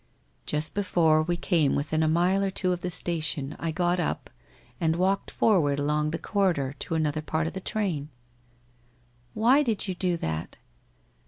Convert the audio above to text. ' 'Just before we came within a mile or two of the station I got up, and walked forward along the corridor to another part of the train.' 'Why did you do that?'